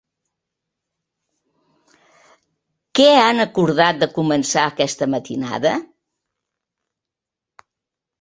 Què han acordat de començar aquesta matinada?